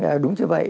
vâng đúng chứ vậy